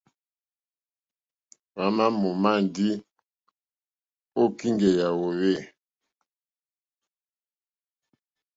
Hwámà mǒmá ndí ô kíŋgɛ̀ yà hwòhwê.